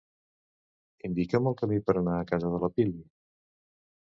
Indica'm el camí per anar a casa de la Pili?